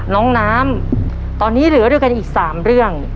น้องน้ำตอนนี้เหลือด้วยกันอีก๓เรื่อง